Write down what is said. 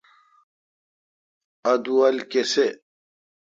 اتو اؘل کیسی۔